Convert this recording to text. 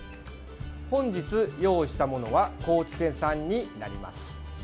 本日、用意したものは高知県産になります。